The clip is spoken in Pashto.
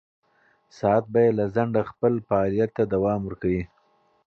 ساعت به بې له ځنډه خپل فعالیت ته دوام ورکوي.